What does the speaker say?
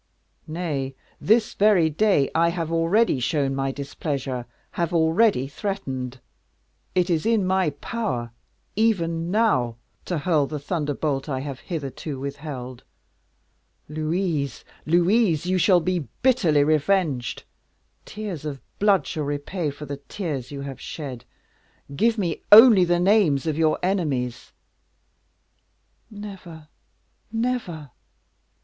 nay, this very day I have already shown my displeasure have already threatened. It is in my power, even now, to hurl the thunderbolt I have hitherto withheld. Louise, Louise, you shall be bitterly revenged; tears of blood shall repay you for the tears you have shed. Give me only the names of your enemies." "Never, never."